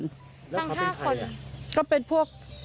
แล้วเขาเป็นใคร